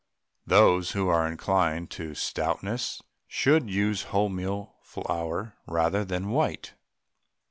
Those who are inclined to stoutness should use wholemeal flour rather than white.